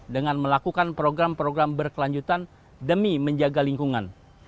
dengan melakukan program program berkelanjutan demi menjaga lingkungan